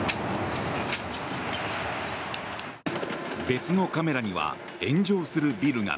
別のカメラには炎上するビルが。